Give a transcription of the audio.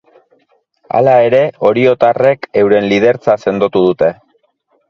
Hala ere, oriotarrek euren lidertza sendotu dute.